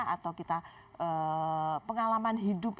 atau kita pengalaman hidupnya